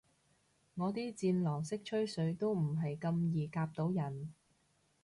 我啲戰狼式吹水都唔係咁易夾到人